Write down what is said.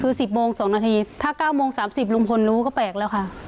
คือสิบโมงสองนาทีถ้าเก้าโมงสามสิบลุงพลรู้ก็แปลกแล้วค่ะ